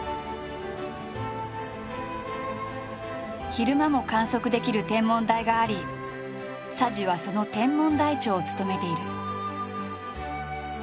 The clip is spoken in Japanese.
昼間も観測できる天文台があり佐治はその天文台長を務めている。